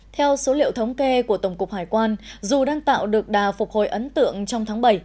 theo số liệu thống kê của tổng cục hải quan dù đang tạo được đà phục hồi ấn tượng trong tháng bảy